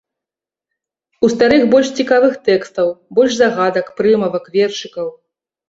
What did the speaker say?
У старых больш цікавых тэкстаў, больш загадак, прымавак, вершыкаў.